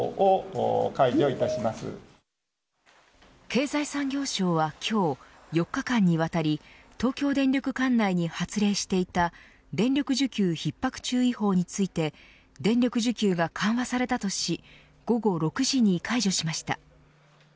経済産業省は今日４日間にわたり東京電力管内に発令していた電力需給ひっ迫注意報について電力需給が緩和されたとし午後６時に解除しました。